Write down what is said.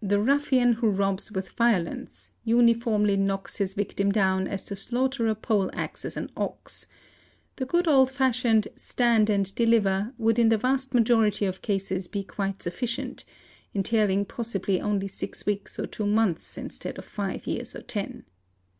The ruffian who robs with violence, uniformly — knocks his victim down as the slaughterer pole axes an ox; the good" old fashioned "stand and deliver" would in the vast majority of cases be | THE THEFT ITSELF 705 quite sufficient, entailing possibly only six weeks or two months instead of five years or ten.